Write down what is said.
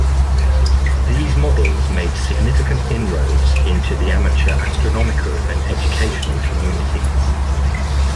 These models made significant inroads into the amateur astronomical and educational communities.